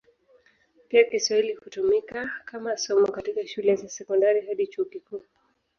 Pia Kiswahili hutumika kama somo katika shule za sekondari hadi chuo kikuu.